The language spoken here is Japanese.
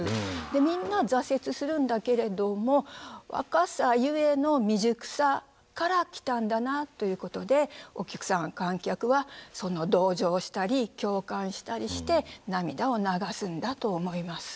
でみんな挫折するんだけれども若さゆえの未熟さから来たんだなということでお客さん観客はその同情したり共感したりして涙を流すんだと思います。